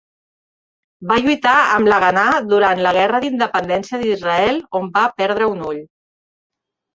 Va lluitar amb la Haganà durant la Guerra d'Independència d'Israel on va perdre un ull.